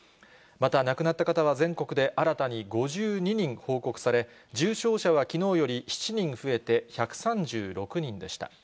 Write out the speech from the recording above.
また、亡くなった方は全国で新たに５２人報告され、重症者はきのうより７人増えて１３６人でした。